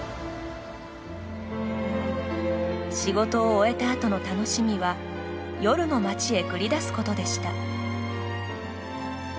仕事を終えたあとの楽しみは夜の街へ繰り出すことでした。